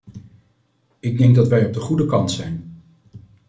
Ik denk dat wij op de goede kant zijn.